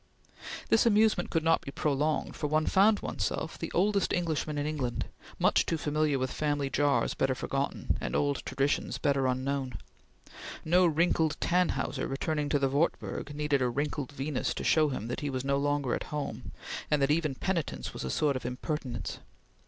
This amusement could not be prolonged, for one found one's self the oldest Englishman in England, much too familiar with family jars better forgotten, and old traditions better unknown. No wrinkled Tannhauser, returning to the Wartburg, needed a wrinkled Venus to show him that he was no longer at home, and that even penitence was a sort of impertinence.